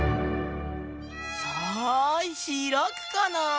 さあひらくかなぁ？